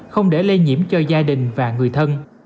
không để lây nhiễm cho gia đình và người thân